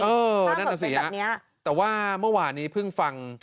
เออนั่นน่ะสิฮะแต่ว่าเมื่อวานนี้เพิ่งฟัง